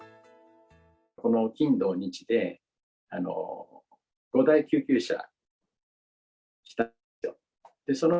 この金、土、日で、５台救急車来たんですよ。